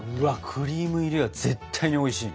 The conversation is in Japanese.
クリーム入りは絶対においしいね！